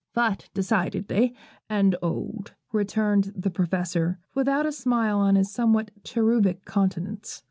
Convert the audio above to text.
'Fat, decidedly, and old,' returned the Professor, without a smile on his somewhat cherubic countenance.